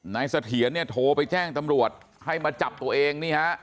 นายสะเถียนโทรไปแจ้งตำรวจให้มาจับตัวเอง